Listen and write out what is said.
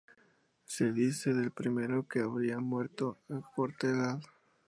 Se dice del primero que habría muerto a corta edad.